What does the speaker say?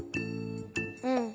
うん。